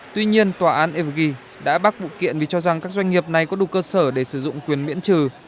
tuy nhiên tòa án evry đã bác vụ kiện vì cho rằng các doanh nghiệp này có đủ cơ sở để sử dụng quyền miễn trừ